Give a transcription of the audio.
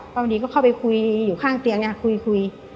บางทีก็เข้าไปคุยอยู่ข้างเตียงคุย